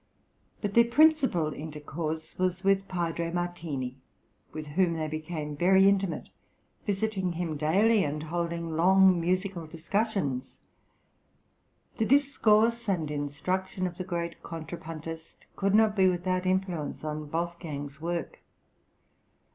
But their principal intercourse was with Padre Martini, with whom they became very intimate, visiting him daily, and holding long musical discussions. The discourse and instruction of the great contrapuntist could not be without influence on Wolfgang's work.